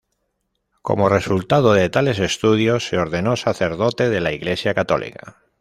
Como resultado de tales estudios se ordenó sacerdote de la iglesia católica.